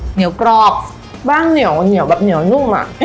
เนียวกรอบป้ามเนียวแบบเหนียวนุ่มค่ะ